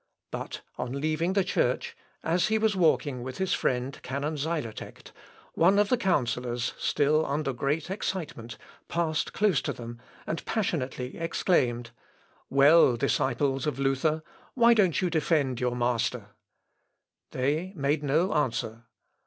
But on leaving the church, as he was walking with his friend, Canon Xylotect, one of the counsellors, still under great excitement, passed close to them, and passionately exclaimed, "Well, disciples of Luther, why don't you defend your master?" They made no answer.